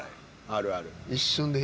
あるある。